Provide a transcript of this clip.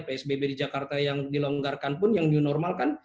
psbb di jakarta yang dilonggarkan pun yang dinormalkan